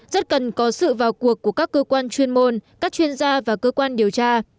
rất cần có sự vào cuộc của các cơ quan chuyên môn các chuyên gia và cơ quan điều tra